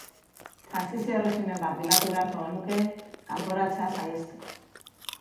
Trantsizio erregimen bat bilatu beharko genuke kanporatzea saihesteko.